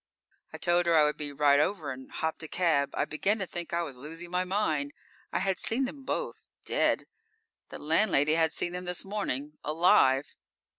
I told her I would be right over, and hopped a cab. I began to think I was losing my mind. I had seen them both dead. The landlady had seen them this morning _alive!